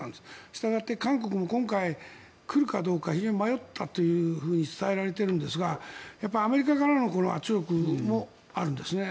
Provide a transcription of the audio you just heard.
したがって韓国も今回来るかどうか非常に迷ったというふうに伝えられているんですがアメリカからの圧力もあるんですね。